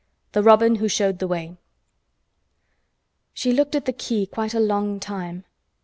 THE ROBIN WHO SHOWED THE WAY She looked at the key quite a long time.